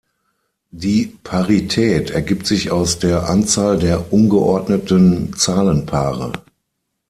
Die Parität ergibt sich aus der Anzahl der "ungeordneten" Zahlenpaare.